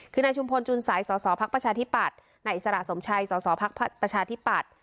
คือนายชุมพลจุนสัยสอสอพักประชาธิปัตย์นายอิสระสมชัยสสพักประชาธิปัตย์